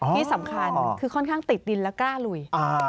ที่สำคัญคือค่อนข้างติดดินแล้วกล้าลุย